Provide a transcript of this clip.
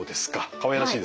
かわいらしいですね。